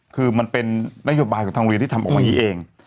คือมันเป็นนโยบายของทางเรียนที่ทำออกมาอย่างนี้เอง